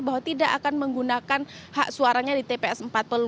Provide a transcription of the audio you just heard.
bahwa tidak akan menggunakan hak suaranya di tps empat puluh lima